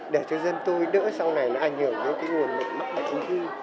để cho dân tôi đỡ sau này nó ảnh hưởng đến cái nguồn mắc bệnh ung thư